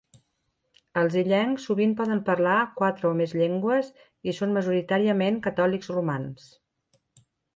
Els illencs sovint poden parlar quatre o més llengües i són majoritàriament catòlics romans.